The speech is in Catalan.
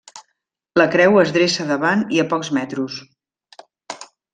La creu es dreça davant i a pocs metros.